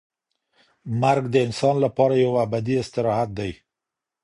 مرګ د انسان لپاره یو ابدي استراحت دی.